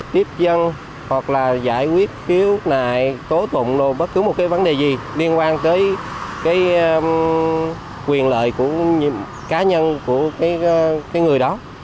tiếp dân hoặc là giải quyết khiếu nại tố tụng bất cứ một cái vấn đề gì liên quan tới cái quyền lợi của cá nhân của cái người đó